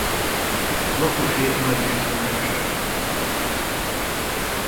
Lakosi nagy részt nemesek.